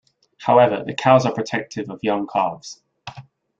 However, the cows are protective of young calves.